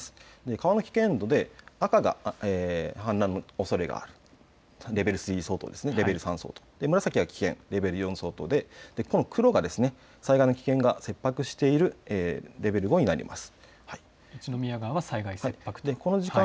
川の危険度で赤は氾濫のおそれがレベル３相当、紫が危険レベル４相当で黒が災害の危険が切迫しているレベル５になります。